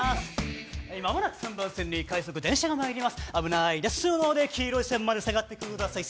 間もなく３番線に快速電車がまいります、危ないですので黄色い線まで下がってください。